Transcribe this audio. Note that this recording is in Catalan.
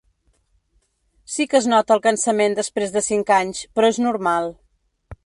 Sí que es nota el cansament després de cinc anys, però és normal.